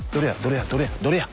どれや？